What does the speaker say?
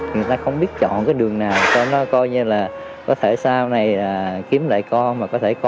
người ta không biết chọn cái đường nào cho nó coi như là có thể sau này kiếm lại con mà có thể con